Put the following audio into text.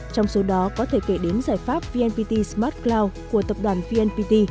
trong số đó có thể kể đến giải pháp vnpt smart cloud của tập đoàn vnpt